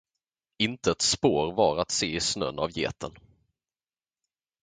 Inte ett spår var att se i snön av geten.